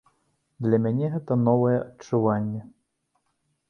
Для мяне гэта новае адчуванне.